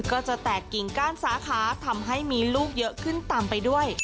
ก็จะแตกกิ่งก้านสาขาทำให้มีลูกเยอะขึ้นต่ำไปด้วย